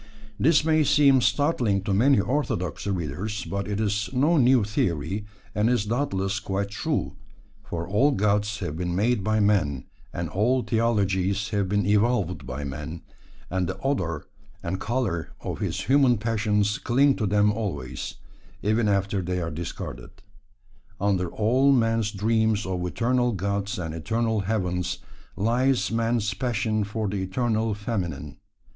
This may seem startling to many orthodox readers, but it is no new theory, and is doubtless quite true, for all gods have been made by man, and all theologies have been evolved by man, and the odour and the colour of his human passions cling to them always, even after they are discarded. Under all man's dreams of eternal gods and eternal heavens lies man's passion for the eternal feminine.